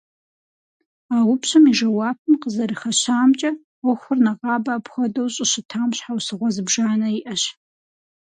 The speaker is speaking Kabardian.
А упщӀэм и жэуапым къызэрыхэщамкӀэ, Ӏуэхур нэгъабэ апхуэдэу щӀыщытам щхьэусыгъуэ зыбжанэ иӀэщ.